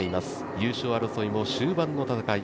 優勝争いは３人の戦い